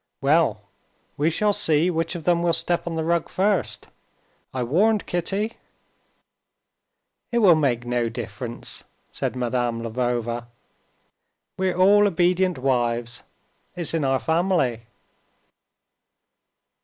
"Well, we shall see which of them will step on the rug first. I warned Kitty." "It will make no difference," said Madame Lvova; "we're all obedient wives; it's in our family."